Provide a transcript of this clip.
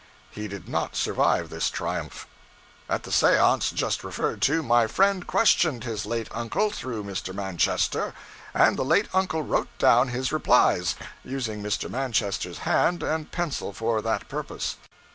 He did not survive this triumph. At the seance just referred to, my friend questioned his late uncle, through Mr. Manchester, and the late uncle wrote down his replies, using Mr. Manchester's hand and pencil for that purpose.